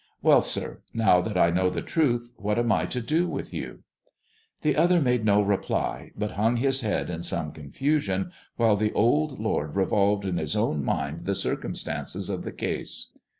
"Well, sir, now that I know the truth, what am I to do with you 1 " The other made no reply, but hung his head in some confusion, while the old lord revolved in his own mind the circumstances of the case.